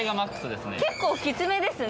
結構きつめですね。